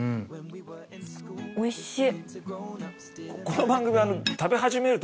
おいしい！